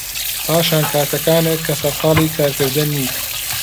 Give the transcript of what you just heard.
پاشان کاتەکانت کە سەرقاڵی کارکردن نیت